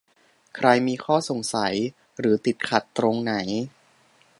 ใครมีข้อสงสัย หรือติดขัดตรงไหน